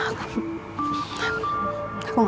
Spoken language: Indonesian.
karena aku ingin